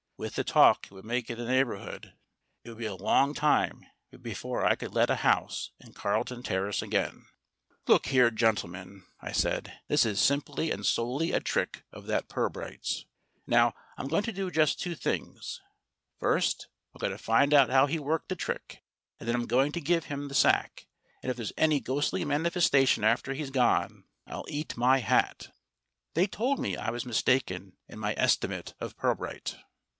With the talk it would make in the neighbor hood, it would be a long time before I could let a house in Carlton Terrace again. "Look here, gentlemen," I said: "this is simply SUNNIBROW 141 and solely a trick of that Pirbright's. Now, I'm going to do just two things : first, I'm going to find out how he worked the trick, and then I'm going to give him the sack; and if there's any ghostly manifestation after he's gone, I'll eat my hat." They told me I was mistaken in my estimate of Pirbright.